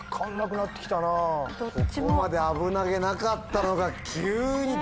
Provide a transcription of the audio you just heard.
ここまで危なげなかったのが。